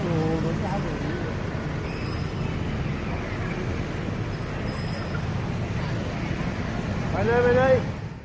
สวัสดีครับสวัสดีครับ